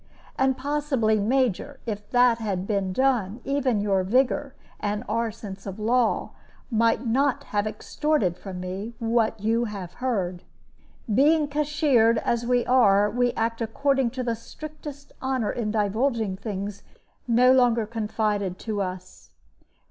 And possibly, Major, if that had been done, even your vigor and our sense of law might not have extorted from me what you have heard. Being cashiered, as we are, we act according to the strictest honor in divulging things no longer confided to us."